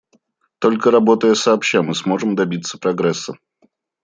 Только работая сообща, мы сможем добиться прогресса.